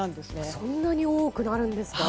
そんなに多くなるんですか？